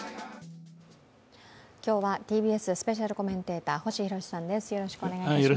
今日はＴＢＳスペシャルコメンテーター、星浩さんです。